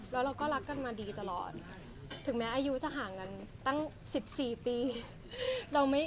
แล้วเราก็รักกันมาดีตลอดถึงแม้อายุจะห่างกันตั้ง๑๔ปี